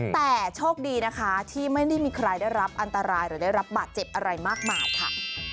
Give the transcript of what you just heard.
แต่โชคดีนะคะที่ไม่ได้มีใครได้รับอันตรายหรือได้รับบาดเจ็บอะไรมากมายค่ะ